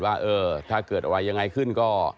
ว่าเออถ้าเกิดอะไรยังไงขึ้นก็